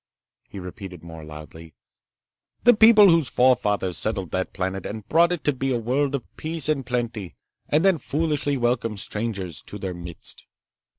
he repeated more loudly. "The people whose forefathers settled that planet, and brought it to be a world of peace and plenty—and then foolishly welcomed strangers to their midst!"